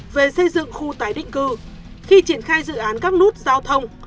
về xây dựng khu tái định cư khi triển khai dự án các nút giao thông